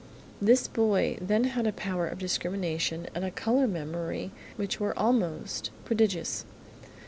This boy had then a power of discrimination and a colour memory which were almost prodigious.